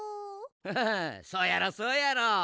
フフフそうやろそうやろ。